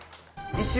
１番。